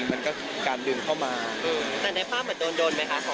แต่ในภาพเหมือนโดนไหมคะของจริงโดนไหม